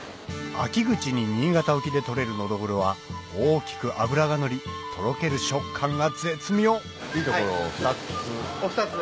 秋口に新潟沖で取れるのどぐろは大きく脂がのりとろける食感が絶妙いいところを２つ。